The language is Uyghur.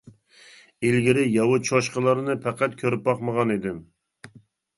ئىلگىرى ياۋا چوشقىلارنى پەقەت كۆرۈپ باقمىغانىدىم.